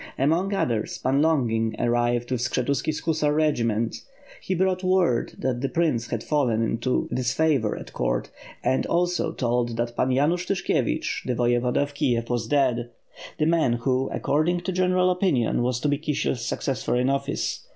Among others. Pan Longin arrived with Skshetuski's hussar regiment. He brought word that the prince had fallen into disfavor at court, and also told that Pan Yanush Tyshkievich, the Voyevoda of Kiev were dead, the man who, according to general opinion, was to be Kisiel's successor in office.